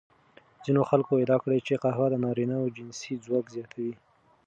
ځینو خلکو ادعا کړې چې قهوه د نارینوو جنسي ځواک زیاتوي.